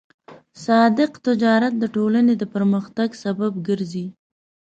صادق تجارت د ټولنې د پرمختګ سبب ګرځي.